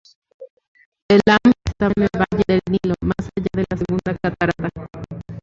El Iam estaba en el valle del Nilo, más allá de la segunda catarata.